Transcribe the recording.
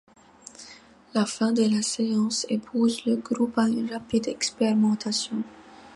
La fin de la séance pousse le groupe à une rapide expérimentation.